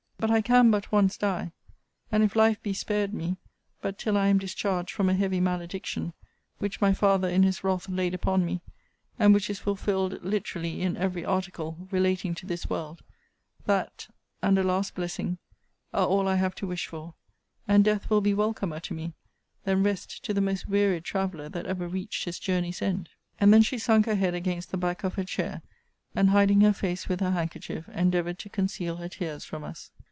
but I can but once die; and if life be spared me, but till I am discharged from a heavy malediction, which my father in his wrath laid upon me, and which is fulfilled literally in every article relating to this world; that, and a last blessing, are all I have to wish for; and death will be welcomer to me, than rest to the most wearied traveller that ever reached his journey's end.' And then she sunk her head against the back of her chair, and, hiding her face with her handkerchief, endeavoured to conceal her tears from us.